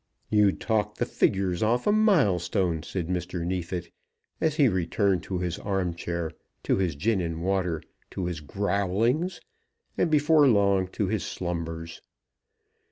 "You'd talk the figures off a milestone," said Mr. Neefit, as he returned to his arm chair, to his gin and water, to his growlings, and before long to his slumbers.